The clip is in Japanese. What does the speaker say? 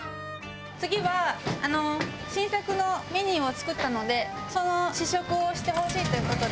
次は新作のメニューを作ったのでその試食をしてほしいという事で。